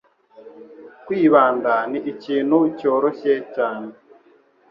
Kwibanda ni ikintu cyoroshye cyane.